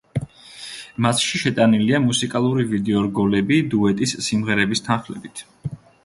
მასში შეტანილია მუსიკალური ვიდეორგოლები დუეტის სიმღერების თანხლებით.